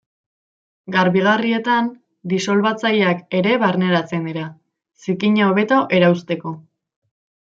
Garbigarrietan, disolbatzaileak ere barneratzen dira, zikina hobeto erauzteko.